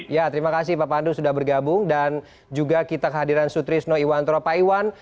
ya terima kasih pak pandu sudah bergabung dan juga kita kehadiran sutrisno iwantro paiwan